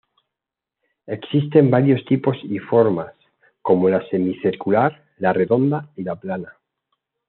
Existen varios tipos y formas como la semicircular, la redonda y la plana.